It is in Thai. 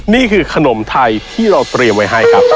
นี่คือขนมไทยที่เราเตรียมไว้ให้ครับ